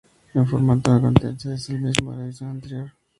El formato de la competencia es el mismo de la edición anterior.